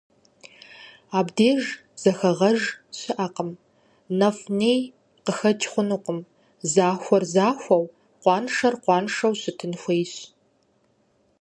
Абдеж зэхэгъэж щыӀэкъым, нэфӀ-ней къыхэкӀ хъунукъым: захуэр захуэу, къуаншэр къуаншэу щытын хуейщ.